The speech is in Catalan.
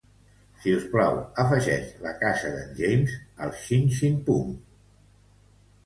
Si us plau, afegeix la casa d'en James al xin-xin-pum.